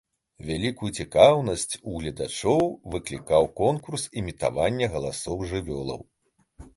Вялікую цікаўнасць у гледачоў выклікаў конкурс імітавання галасоў жывёлаў.